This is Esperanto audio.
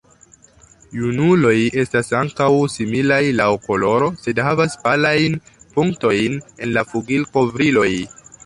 Junuloj estas ankaŭ similaj laŭ koloro, sed havas palajn punktojn en la flugilkovriloj.